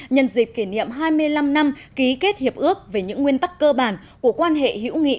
nhân dịp kỷ niệm hai mươi năm năm ký kết hiệp ước về những nguyên tắc cơ bản của quan hệ hữu nghị